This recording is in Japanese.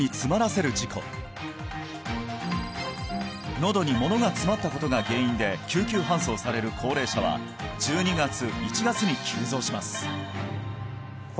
喉にものが詰まったことが原因で救急搬送される高齢者は１２月１月に急増します